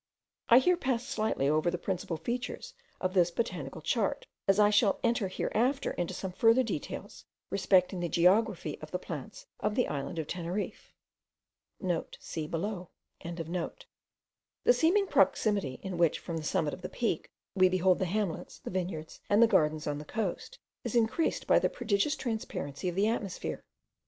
I here pass slightly over the principal features of this botanical chart, as I shall enter hereafter into some farther details respecting the geography of the plants of the island of Teneriffe.* (* See below.) The seeming proximity, in which, from the summit of the peak, we behold the hamlets, the vineyards, and the gardens on the coast, is increased by the prodigious transparency of the atmosphere.